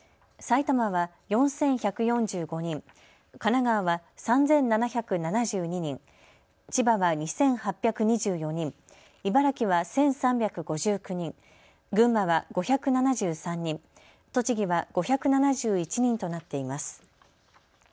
埼玉は４１４５人、神奈川は３７７２人、千葉は２８２４人、茨城は１３５９人、群馬は５７３人、栃木は５７１人となっています。